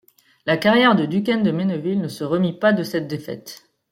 La carrière de Duquesne de Menneville ne se remit pas de cette défaite.